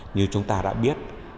như chúng ta đã biết